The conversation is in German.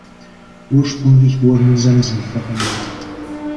Ursprünglich wurden Sensen verwendet.